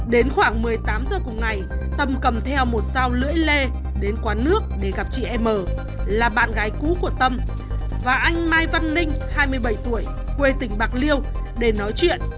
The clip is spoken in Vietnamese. đến khoảng một mươi tám h cùng ngày tâm cầm theo một dao lưỡi lê đến quán nước để gặp chị em m là bạn gái cũ của tâm và anh mai văn ninh hai mươi bảy tuổi quê tỉnh bạc liêu để nói chuyện